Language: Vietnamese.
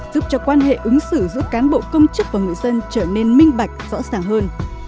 giúp cho quan hệ ứng xử giữa cán bộ công chức và người dân trở nên minh bạch rõ ràng hơn